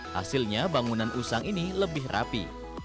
hasilnya bangunan usang ini lebih rapi